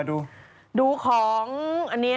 ดูของอันนี้